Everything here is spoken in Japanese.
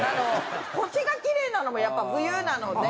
星がきれいなのもやっぱ冬なので。